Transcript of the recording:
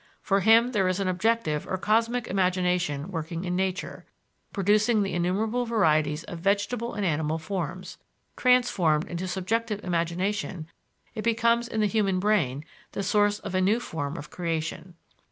For him there is an objective or cosmic imagination working in nature, producing the innumerable varieties of vegetable and animal forms; transformed into subjective imagination it becomes in the human brain the source of a new form of creation.